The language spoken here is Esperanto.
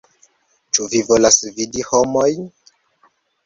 Ĉu vi volas vidi homojn?